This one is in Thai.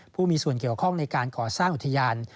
ผู้มีส่วนเกี่ยวข้องในการก่อสร้างอุทยาน